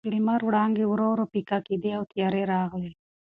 د لمر وړانګې ورو ورو پیکه کېدې او تیارې راغلې.